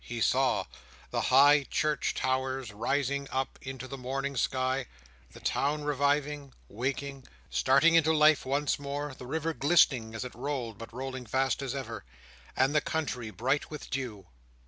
he saw—the high church towers rising up into the morning sky, the town reviving, waking, starting into life once more, the river glistening as it rolled (but rolling fast as ever), and the country bright with dew.